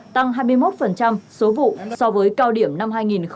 tăng hai mươi một số vụ so với cao điểm năm hai nghìn hai mươi